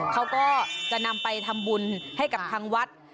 เขาก็จะนำไปทำบุญให้กับทางวัด